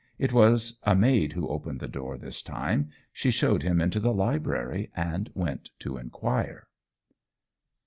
It was a maid who opened the door this time. She showed him into the library, and went to inquire.